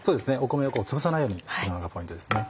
米をつぶさないようにするのがポイントですね。